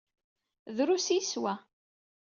Drus i yeswa.